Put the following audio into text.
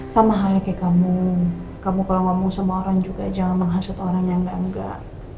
sama halnya kayak kamu kamu kalau ngomong sama orang juga jangan menghasut orang yang enggak enggak